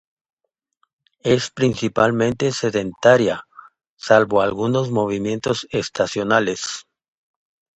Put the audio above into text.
Es principalmente sedentaria, salvo algunos movimientos estacionales.